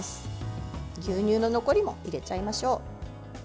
牛乳の残りも入れちゃいましょう。